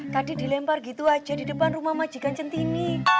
tadi dilempar gitu aja di depan rumah majikan centini